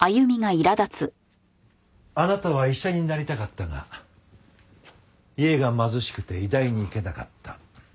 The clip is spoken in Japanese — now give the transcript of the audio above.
あなたは医者になりたかったが家が貧しくて医大に行けなかった。